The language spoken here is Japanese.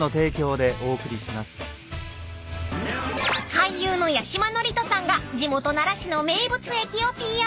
［俳優の八嶋智人さんが地元奈良市の名物駅をＰＲ］